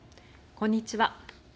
こんにちは。